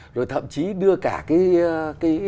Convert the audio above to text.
rồi thậm chí đưa cả cái